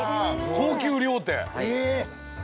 高級料亭？